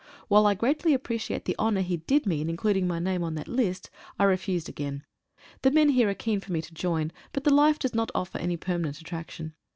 While I greatly appreciate the honour he did me in including my name in that list, I refused again. The men here are keen for me to join, but the life does not offer any permanent attraction.